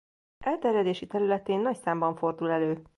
Elterjedési területén nagy számban fordul elő.